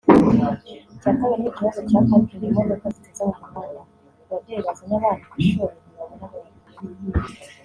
Icya kabiri ni ikibazo cya Parking imodoka ziteza mu muhanda; ababyeyi bazanye abana ku ishuri ntibabona aho baparika